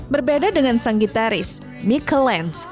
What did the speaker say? berbeda dengan sang gitaris michael lens